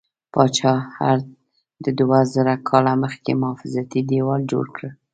پاچا هرډ دوه زره کاله مخکې محافظتي دیوال جوړ کړ.